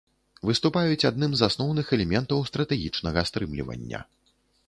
Выступаюць адным з асноўных элементаў стратэгічнага стрымлівання.